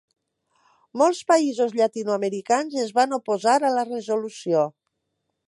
Molts països llatinoamericans es van oposar a la resolució.